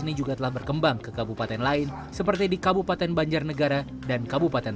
ini juga telah berkembang ke kabupaten lain seperti di kabupaten banjarnegara dan kabupaten